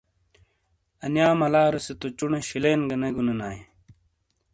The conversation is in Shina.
انیا ملارے سے تو چُونے شِلینگہ نے گُنے نائیے۔